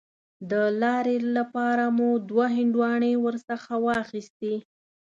د لارې لپاره مو دوه هندواڼې ورڅخه واخیستې.